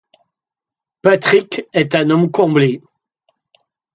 Patrick est un homme comblé.